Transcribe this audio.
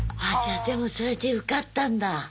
あぁじゃあでもそれで受かったんだ。